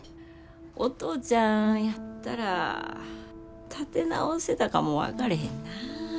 お父ちゃんやったら立て直せたかも分かれへんな。